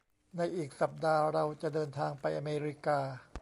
ในอีกสัปดาห์เราจะเดินทางไปอเมริกา